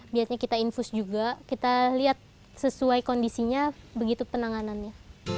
biasanya kita infus juga kita lihat sesuai kondisinya begitu penanganannya